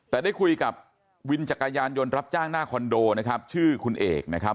แต่ได้คุยกับวินจักรยานยนต์รับจ้างหน้าคอนโดนะครับชื่อคุณเอกนะครับ